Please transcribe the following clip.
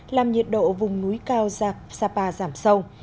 làm nhiệt độ vùng núi cao sapa giảm sâu